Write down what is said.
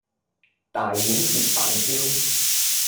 大蜆鐵板燒